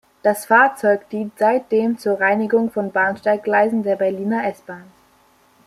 Das Fahrzeug dient seitdem zur Reinigung von Bahnsteiggleisen der Berliner S-Bahn.